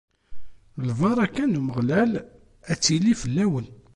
Lbaraka n Umeɣlal ad tili fell-awen!